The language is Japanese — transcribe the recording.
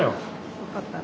よかったら。